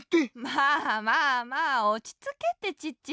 まあまあまあおちつけってチッチ。